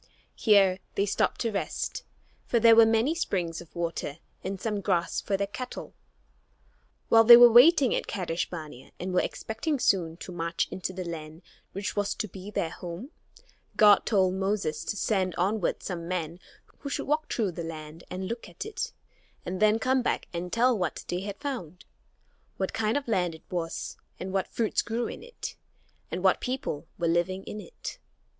Here they stopped to rest, for there were many springs of water and some grass for their cattle. While they were waiting at Kadesh barnea and were expecting soon to march into the land which was to be their home, God told Moses to send onward some men who should walk through the land and look at it, and then come back and tell what they had found; what kind of a land it was, and what fruits grew in it, and what people were living in it.